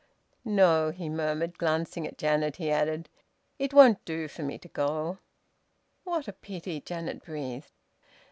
"No," he murmured. Glancing at Janet, he added, "It won't do for me to go." "What a pity!" Janet breathed.